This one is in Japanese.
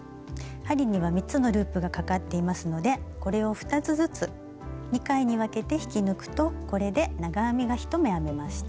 針には３つのループがかかっていますのでこれを２つずつ２回に分けて引き抜くとこれで長編みが１目編めました。